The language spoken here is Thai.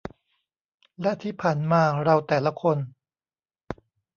และที่ผ่านมาเราแต่ละคน